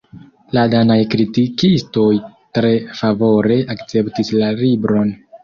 La danaj kritikistoj tre favore akceptis la libron.